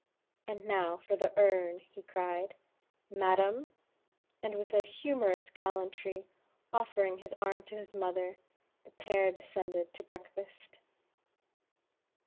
"And now for the urn," he cried, "madam!" and with a humorous gallantry, offering his arm to his mother, the pair descended to breakfast.